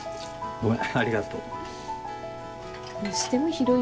ごめん。